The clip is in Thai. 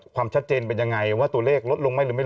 ความชัดเจนเป็นยังไงว่าตัวเลขลดลงไหมหรือไม่ลง